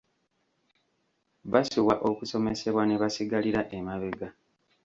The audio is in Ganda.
Basubwa okusomesebwa ne basigalira emabega.